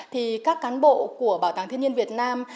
thì các cán bộ của bảo tàng thiên nhiên việt nam